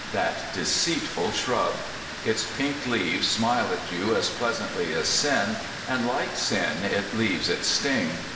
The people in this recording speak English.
That deceitful shrub ! Its pink leaves smile at you as pleasantly as sin, and, like sin, it leaves its sting.